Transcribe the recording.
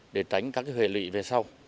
để tránh các hệ lị về sau